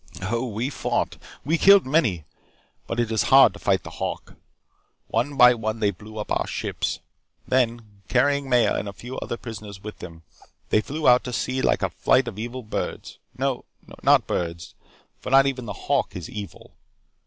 "Oh, we fought. We killed many. But it is hard to fight the hawk. One by one they blew up our ships. Then, carrying Maya and a few other prisoners with them, they flew out to sea like a flight of evil birds no, not birds, for not even the hawk is evil.